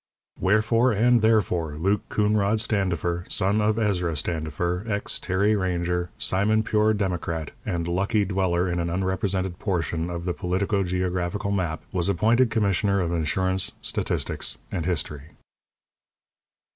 Wherefore and therefore, Luke Coonrod Standifer, son of Ezra Standifer, ex Terry ranger, simon pure democrat, and lucky dweller in an unrepresented portion of the politico geographical map, was appointed Commissioner of Insurance, Statistics, and History.